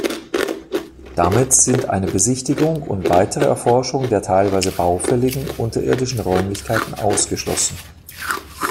Damit sind eine Besichtigung und weitere Erforschung der teilweise baufälligen unterirdischen Räumlichkeiten ausgeschlossen.